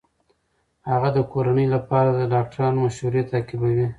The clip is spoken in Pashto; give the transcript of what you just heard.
هغه د کورنۍ لپاره د ډاکټرانو مشورې تعقیبوي.